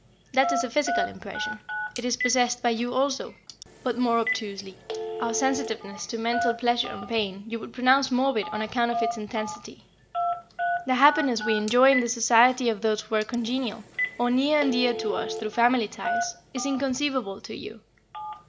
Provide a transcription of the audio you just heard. That is a physical impression. It is possessed by you also, but more obtusely. "Our sensitiveness to mental pleasure and pain you would pronounce morbid on account of its intensity. The happiness we enjoy in the society of those who are congenial, or near and dear to us through family ties, is inconceivable to you.